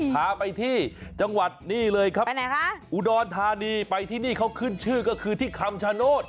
พาไปที่จังหวัดนี่เลยครับไปไหนคะอุดรธานีไปที่นี่เขาขึ้นชื่อก็คือที่คำชโนธ